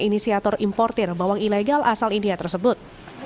inisiator importer bawang ilegal asal india tersebut